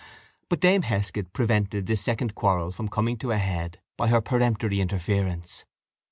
But Dame Heskett prevented this second quarrel from coming to a head by her peremptory interference.